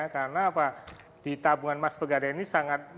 karena di tabungan emas pegadaian ini sangat mudah